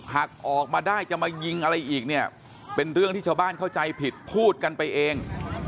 หากออกมาได้จะมายิงอะไรอีกเนี่ยเป็นเรื่องที่ชาวบ้านเข้าใจผิดพูดกันไปเอง